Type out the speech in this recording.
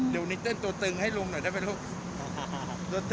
เดี๋ยวนิเติ้ลตัวตึงให้ลุงหน่อยได้ไหมลูก